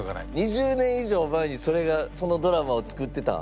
２０年以上前にそれがそのドラマを作ってた。